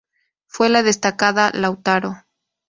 Fue la destacada Lautaro.